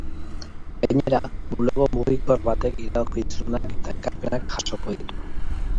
Gainera, bulego mugikor batek iradokizunak eta ekarpenak jasoko ditu.